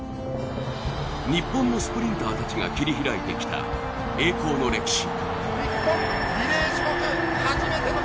日本のスプリンターたちが切り開いてきた栄光の歴史。